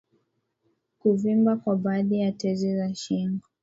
kuvimba kwa baadhi ya tezi za shingo